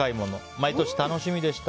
毎年、楽しみでした。